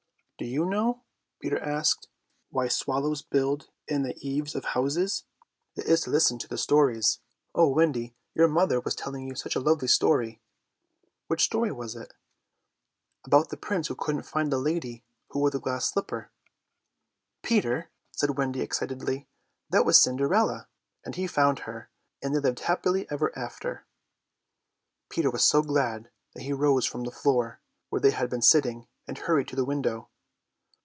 "Do you know," Peter asked "why swallows build in the eaves of houses? It is to listen to the stories. O Wendy, your mother was telling you such a lovely story." "Which story was it?" "About the prince who couldn't find the lady who wore the glass slipper." "Peter," said Wendy excitedly, "that was Cinderella, and he found her, and they lived happily ever after." Peter was so glad that he rose from the floor, where they had been sitting, and hurried to the window.